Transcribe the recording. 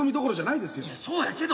いやそうやけど。